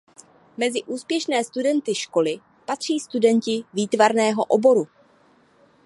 Mezi úspěšné studenty školy patří studenti výtvarného oboru.